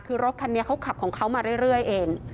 คือรถคันนี้เขาขับของเขามาเรื่อยเอง